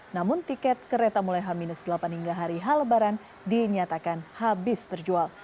namun tiket kereta mulai h delapan hingga hari h lebaran dinyatakan habis terjual